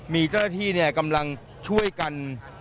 มีเจ้าหน้าที่กำลังช่วยกัน